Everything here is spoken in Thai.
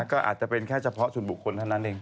ก็อาจจะเป็นแค่เฉพาะส่วนบุคคลเท่านั้นเอง